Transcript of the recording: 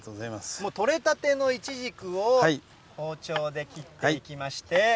取れたてのいちじくを包丁で切っていきまして。